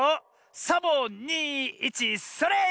サボ２１それ！